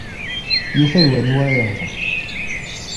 Yufa d waniwa ara yehder.